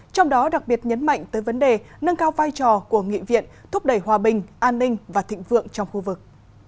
trong đó đặc biệt nhấn mạnh tới vấn đề nâng cao vai trò của nghị viện thúc đẩy hòa bình an ninh và thịnh vượng trong khu vực